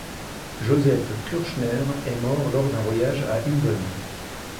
Joseph Kürschner et mort lors d'un voyage à Huben.